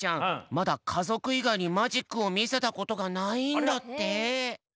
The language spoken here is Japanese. まだかぞくいがいにマジックをみせたことがないんだって。